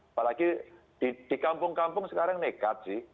apalagi di kampung kampung sekarang nekat sih